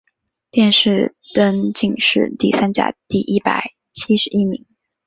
殿试登进士第三甲第一百七十一名。